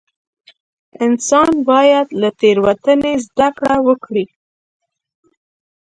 انسان باید له تېروتنې زده کړه وکړي.